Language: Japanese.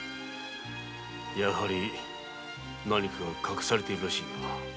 やはり何かが隠されているらしいな。